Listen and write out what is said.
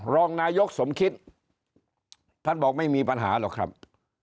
รองนายกสมคิตท่านบอกไม่มีปัญหาหรอกครับ